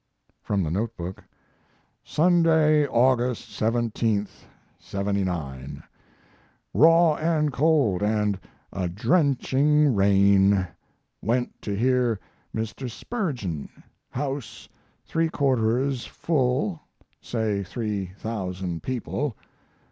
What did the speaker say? ] From the note book: Sunday, August 17,'79. Raw and cold, and a drenching rain. Went to hear Mr. Spurgeon. House three quarters full say three thousand people.